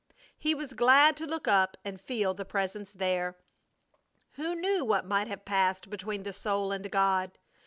He was glad to look up and feel the Presence there! Who knew what might have passed between the soul and God?